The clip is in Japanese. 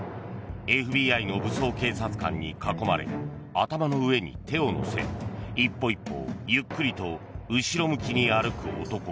ＦＢＩの武装警察官に囲まれ頭の上に手を乗せ一歩一歩、ゆっくりと後ろ向きに歩く男。